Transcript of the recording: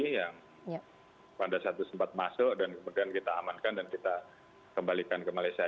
yang wanda satu sempat masuk dan kemudian kita amankan dan kita kembalikan ke malaysia